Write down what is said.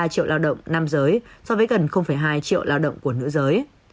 ba triệu lao động nam giới so với gần hai triệu lao động của nữ giới